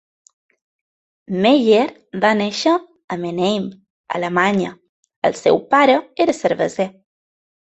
Mayer va néixer a Mannheim, Alemanya; el seu pare era cerveser.